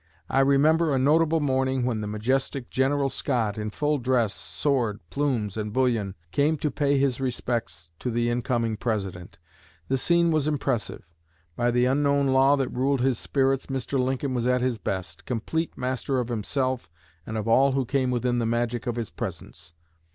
I remember a notable morning when the majestic General Scott, in full dress, sword, plumes, and bullion, came to pay his respects to the incoming President. The scene was impressive. By the unknown law that ruled his spirits, Mr. Lincoln was at his best, complete master of himself and of all who came within the magic of his presence.